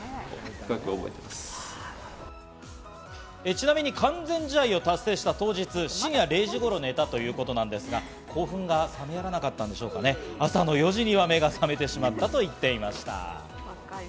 ちなみに完全試合を達成した当日、深夜０時頃に寝たということなんですが興奮が冷めやらなかったんでしょうかね、朝の４時には目が覚めてしまったと言っていました。